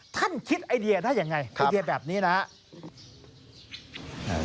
คิดไอเดียได้ยังไงไอเดียแบบนี้นะครับ